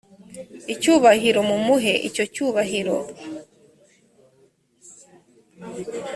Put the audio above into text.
icyubahiro mumuhe icyo cyubahiro